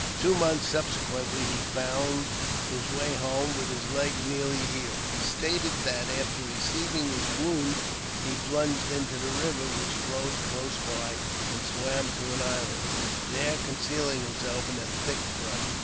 Two months subsequently he found his way home, with his leg nearly healed. He stated that, after receiving his wound, he plunged into the river, which flowed close by, and swam to an island, there concealing himself in a thick brush.